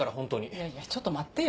いやいやちょっと待ってよ。